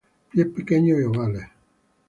Pies pequeños y ovales.